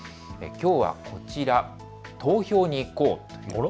きょうはこちら、投票に行こう。